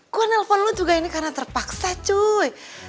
gue nelfon lu juga ini karena terpaksa cuy